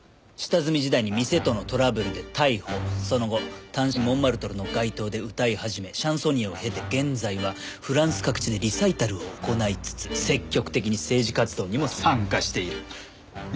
「下積み時代に店とのトラブルで逮捕」「その後単身モンマルトルの街頭で歌い始めシャンソニエを経て現在はフランス各地でリサイタルを行いつつ積極的に政治活動にも参加している」